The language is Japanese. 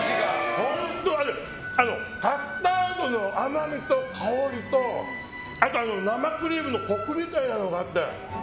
カスタードの甘みと香りとあと生クリームのコクみたいなのがあって。